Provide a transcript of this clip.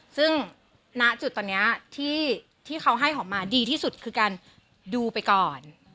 ซึ่งณจุดตอนนี้ที่เขาให้หอมมาดีที่สุดคือการดูไปก่อน